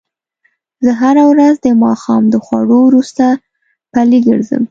زه هره ورځ د ماښام د خوړو وروسته پلۍ ګرځم